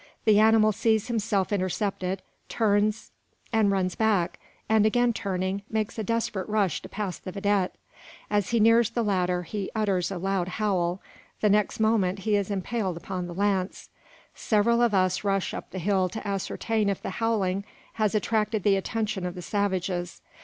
The animal sees himself intercepted, turns and runs back, and again turning, makes a desperate rush to pass the vidette. As he nears the latter, he utters a loud howl. The next moment he is impaled upon the lance! Several of us rush up the hill to ascertain if the howling has attracted the attention of the savages.